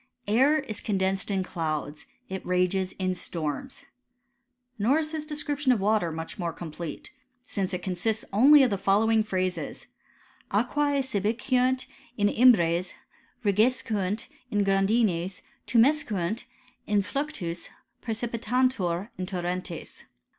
''" Air is condensed in clouds, it rages in storms." Nor is his description of water much more complete, since it con » sists only of the following phrases :*' Aquse subeunt in imbres, rigescunt in grandines, tumescunt in fluc tus, prsecipitantur in torrentes.'